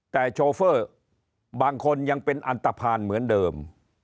แต่โชเฟอร์บางคนยังเป็นอันตภัณฑ์เหมือนเดิม